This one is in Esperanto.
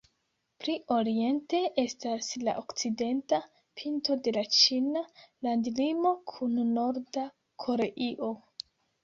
Pli oriente estas la okcidenta pinto de la ĉina landlimo kun Norda Koreio.